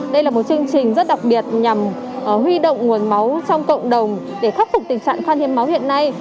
đây là một chương trình rất đặc biệt nhằm huy động nguồn máu trong cộng đồng để khắc phục tình trạng khăn hiên máu hiện nay